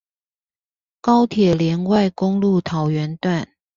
高鐵聯外公路桃園段